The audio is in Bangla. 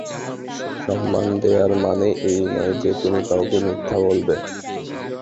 সম্মান দেওয়ার মানে এই নয় যে তুমি কাউকে মিথ্যা বলবে।